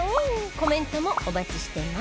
コメントもお待ちしています